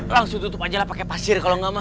langsung tutup aja lah pakai pasir kalau enggak mas